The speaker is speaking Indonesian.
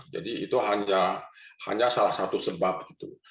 jadi itu hanya salah satu sebab gitu